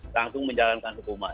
langsung menjalankan hukuman